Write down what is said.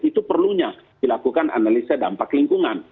itu perlunya dilakukan analisa dampak lingkungan